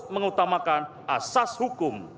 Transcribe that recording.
mengutamakan asas hukum